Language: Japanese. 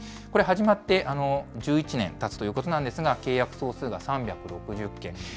これ、始まって１１年たつということなんですが、契約総数が３６０件。